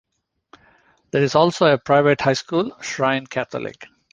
There is also a private high school, Shrine Catholic.